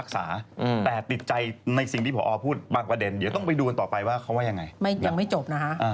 เขาก็จะลาออกันอะไรอย่างนี้นะฮะแม่โทษ